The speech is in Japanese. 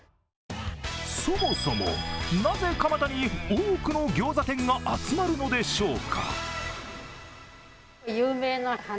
そもそも、なぜ蒲田に多くのギョーザ店が集まるのでしょうか。